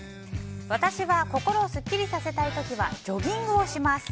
私は心をスッキリさせたい時はジョギングをします。